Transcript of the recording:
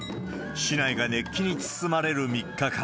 市内が熱気に包まれる３日間。